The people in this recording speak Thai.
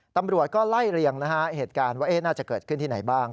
ตำรวจก็ไล่เรียงนะฮะเหตุการณ์ว่าน่าจะเกิดขึ้นที่ไหนบ้าง